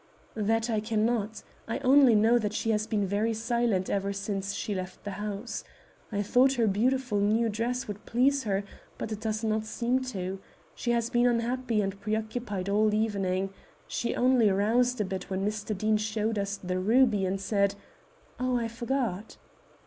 "That I can not. I only know that she has been very silent ever since she left the house. I thought her beautiful new dress would please her, but it does not seem to. She has been unhappy and preoccupied all the evening. She only roused a bit when Mr. Deane showed us the ruby and said Oh, I forgot!"